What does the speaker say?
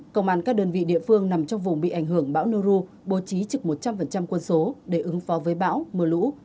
công an các đơn vị địa phương nằm trong vùng bị ảnh hưởng bão nu bố trí trực một trăm linh quân số để ứng phó với bão mưa lũ